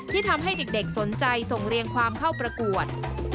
ที่ทำให้เด็กสนใจส่งเรียงความเข้าประกวด